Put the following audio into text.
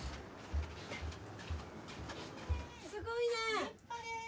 すごいね。